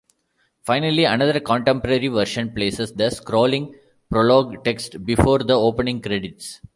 Finally, another contemporary version places the scrolling Prologue text before the opening credits.